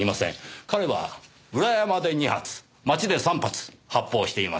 彼は裏山で２発街で３発発砲しています。